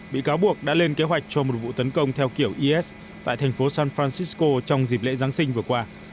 bị cáo buộc đã lên kế hoạch cho một vụ tấn công theo kiểu is tại thành phố san francisco trong dịp lễ giáng sinh vừa qua